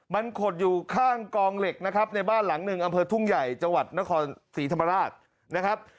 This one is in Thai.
มันขดอยู่ข้างกองเหล็กนะครับในบ้านหลังหนึ่งอำเภอทุ่งใหญ่จังหวัดนครศรีธรรมราชนะครับ